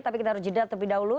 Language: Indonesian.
tapi kita harus jeda terlebih dahulu